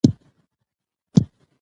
د خوړو پاتې شوني خوندي يخچال کې وساتئ.